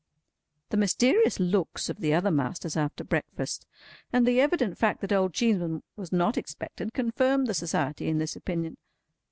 The mysterious looks of the other masters after breakfast, and the evident fact that old Cheeseman was not expected, confirmed the Society in this opinion.